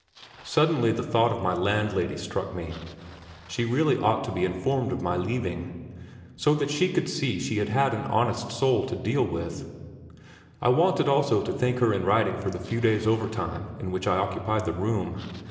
Suddenly the thought of my land lady struck me; she really ought to be informed of my leaving, so that she could see she had had an honest soul to deal with. I wanted also to thank her in writing for the few days' overtime in which I occupied the room.